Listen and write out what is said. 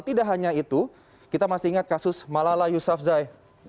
tidak hanya itu kita masih ingat kasus malala yusafzai